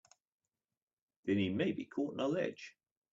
Then he may be caught on a ledge!